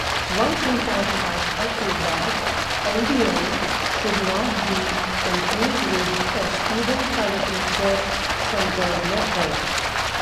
One important aspect is that LdL should not be confused with a student-as-teacher-centered method.